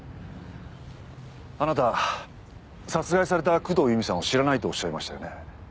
あなた殺害された工藤由美さんを知らないとおっしゃいましたよね。